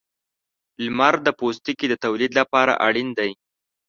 • لمر د پوستکي د تولید لپاره اړین دی.